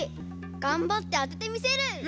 がんばってあててみせる！